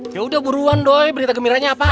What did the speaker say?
yaudah buruan doi berita gembiranya apaan